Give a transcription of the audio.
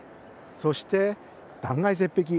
そして断崖絶壁。